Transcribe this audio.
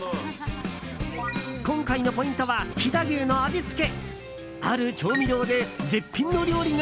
今回のポイントは飛騨牛の味付け。